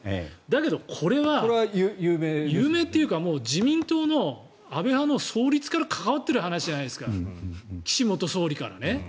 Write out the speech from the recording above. だけど、これは有名というか自民党の安倍派の創立から関わっている話じゃないですか岸元総理からね。